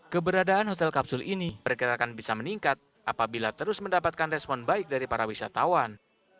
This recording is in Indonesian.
keberadaan hotel kapsul ini perkirakan bisa meningkat apabila terus mendapatkan respon baik dari para wisatawan